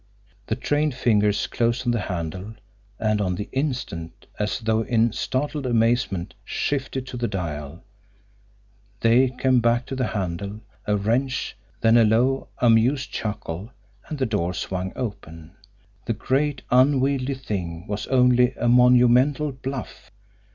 The trained fingers closed on the handle and on the instant, as though in startled amazement, shifted to the dial. They came back to the handle a wrench then a low, amused chuckle and the door swung open. The great, unwieldy thing was only a monumental bluff!